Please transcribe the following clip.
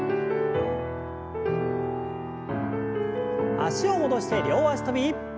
脚を戻して両脚跳び。